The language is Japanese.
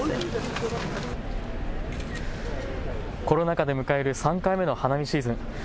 コロナ禍で迎える３回目の花見シーズン。